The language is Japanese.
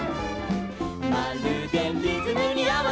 「まるでリズムにあわせて」